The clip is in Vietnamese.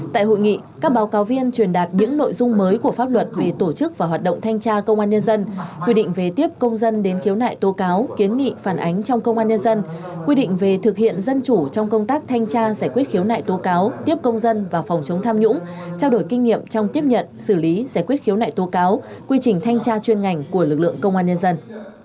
tại hội nghị các báo cáo viên truyền đạt những nội dung mới của pháp luật về tổ chức và hoạt động thanh tra công an nhân dân quy định về tiếp công dân đến khiếu nại tố cáo kiến nghị phản ánh trong công an nhân dân quy định về thực hiện dân chủ trong công tác thanh tra giải quyết khiếu nại tố cáo tiếp công dân vào phòng chống tham nhũng trao đổi kinh nghiệm trong tiếp nhận xử lý giải quyết khiếu nại tố cáo quy trình thanh tra chuyên ngành của lực lượng công an nhân dân